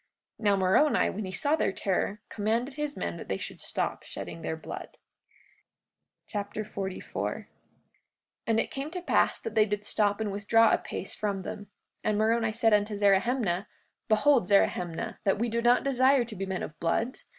43:54 Now Moroni, when he saw their terror, commanded his men that they should stop shedding their blood. Alma Chapter 44 44:1 And it came to pass that they did stop and withdrew a pace from them. And Moroni said unto Zerahemnah: Behold, Zerahemnah, that we do not desire to be men of blood.